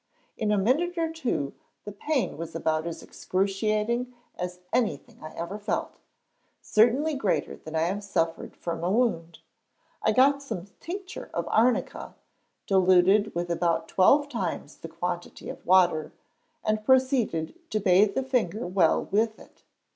In a minute or two the pain was about as excruciating as anything I ever felt certainly greater than I have suffered from a wound. I got some tincture of arnica, diluted with about twelve times the quantity of water, and proceeded to bathe the finger well with it.